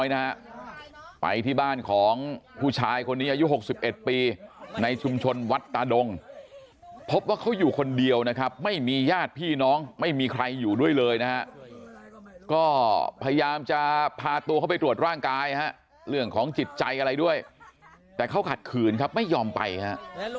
ในชุมชนวัดตาดงพบว่าเขาอยู่คนเดียวนะครับไม่มีญาติพี่น้องไม่มีใครอยู่ด้วยเลยนะก็พยายามจะพาตัวเข้าไปตรวจร่างกายเรื่องของจิตใจอะไรด้วยแต่เขาขัดขืนครับไม่ยอมไปครับ